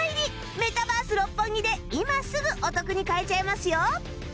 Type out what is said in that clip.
メタバース六本木で今すぐお得に買えちゃいますよ